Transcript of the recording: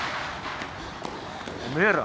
おめえら。